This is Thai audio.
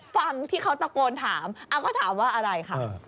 ฟังที่เขาตะโกณฑ์ถามก็ถามว่าอะไร